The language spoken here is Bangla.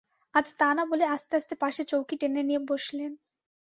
আজ তা না বলে আস্তে আস্তে পাশে চৌকি টেনে নিয়ে বসলেন।